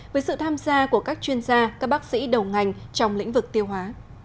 với sự tham gia của các chuyên gia các bác sĩ đầu ngành trong lĩnh vực tiêu hóa